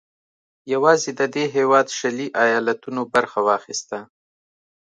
یوازې د دې هېواد شلي ایالتونو برخه واخیسته.